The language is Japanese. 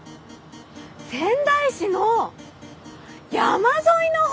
仙台市の山沿いの方！